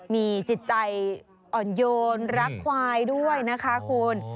มีจิตใจอ่อนโยนรักควายด้วยนะคะคุณ